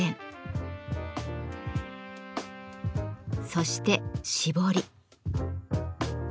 そして絞り。